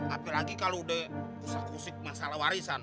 apalagi kalau udah kusik kusik masalah warisan